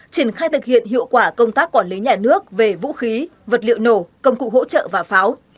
triển khai thực hiện hiệu quả công tác quản lý nhà nước về vũ khí vật liệu nổ công cụ hỗ trợ và pháo